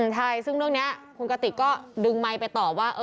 ใช่ซึ่งเรื่องนี้คุณกติกก็ดึงไมค์ไปตอบว่า